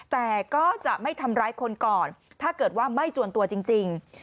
แต่ก็จะไม่ทำร้ายคนก่อนถ้าเกิดว่าไม่จวนตัวจริง